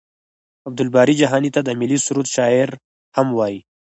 عبدالباري جهاني ته د ملي سرود شاعر هم وايي.